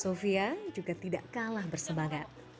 sofia juga tidak kalah bersemangat